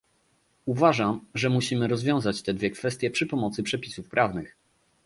Uważam, że musimy rozwiązać te dwie kwestie przy pomocy przepisów prawnych